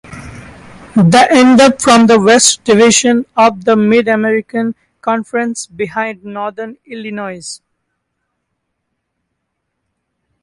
They end up from the West Division of the Mid-American Conference behind Northern Illinois.